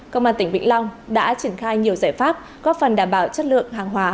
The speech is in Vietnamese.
công an tỉnh vĩnh long đã triển khai nhiều giải pháp góp phần đảm bảo chất lượng hàng hóa